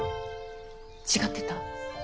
違ってた？